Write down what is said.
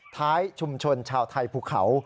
ท้ายชุมชนชาวไทยภูเขา